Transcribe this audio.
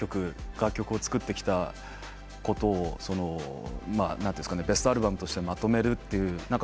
楽曲を作ってきたことをベストアルバムとしてまとめるという。